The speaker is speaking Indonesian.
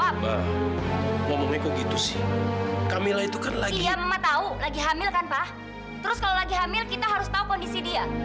padahal kamila itu pergi sendiri mama nggak pernah ngusir dia